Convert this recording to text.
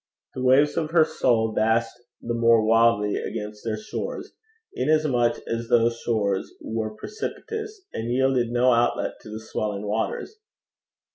The waves of her soul dashed the more wildly against their shores, inasmuch as those shores were precipitous, and yielded no outlet to the swelling waters.